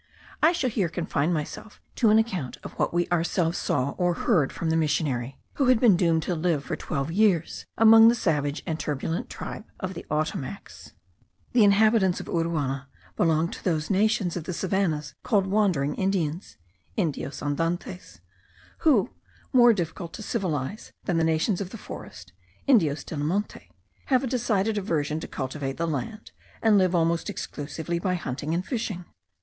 I shall here confine myself to an account of what we ourselves saw or heard from the missionary, who had been doomed to live for twelve years among the savage and turbulent tribe of the Ottomacs. The inhabitants of Uruana belong to those nations of the savannahs called wandering Indians (Indios andantes) who, more difficult to civilize than the nations of the forest (Indios del monte), have a decided aversion to cultivate the land, and live almost exclusively by hunting and fishing.